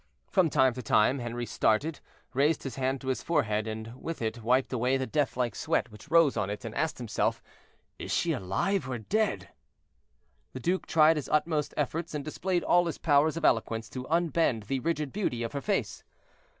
From time to time Henri started, raised his hand to his forehead, and with it wiped away the death like sweat which rose on it, and asked himself: "Is she alive, or dead?" The duke tried his utmost efforts and displayed all his powers of eloquence to unbend the rigid beauty of her face.